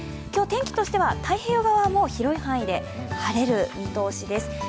今日、天気としては太平洋側は広い範囲で晴れる見通しです。